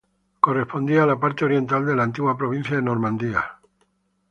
Correspondía a la parte oriental de la antigua provincia de "Normandie".